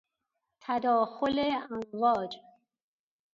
تداخل امواج